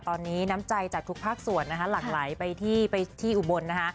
ตอนนี้น้ำใจจากทุกภาคส่วนนะคะหลั่งไหลไปที่อุบลนะคะ